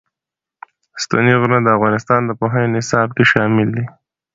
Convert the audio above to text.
ستوني غرونه د افغانستان د پوهنې نصاب کې شامل دي.